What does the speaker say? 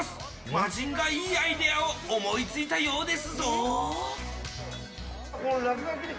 魔人がいいアイデアを思いついたようですぞ。